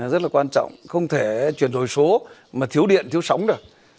rất là quan trọng không thể chuyển đổi số mà thiếu điện thiếu sóng được